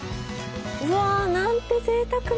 うわなんてぜいたくな！